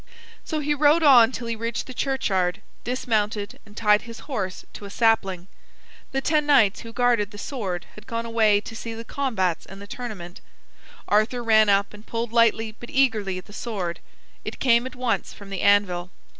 So he rode on till he reached the churchyard, dismounted, and tied his horse to a sapling. The ten knights who guarded the sword had gone away to see the combats in the tournament. Arthur ran up and pulled lightly but eagerly at the sword. It came at once from the anvil.